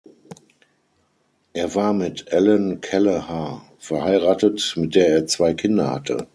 Er war mit Ellen Kelleher verheiratet, mit der er zwei Kinder hatte.